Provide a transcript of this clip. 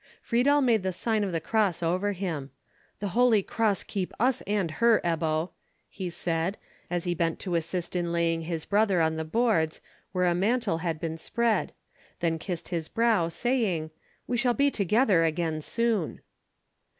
Friedel made the sign of the cross over him. "The holy cross keep us and her, Ebbo," he said, as he bent to assist in laying his brother on the boards, where a mantle had been spread; then kissed his brow, saying, "We shall be together again soon."